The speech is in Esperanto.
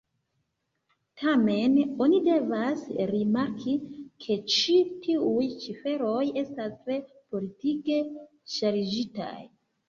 Tamen, oni devas rimarki ke ĉi tiuj ciferoj estas tre politike ŝarĝitaj.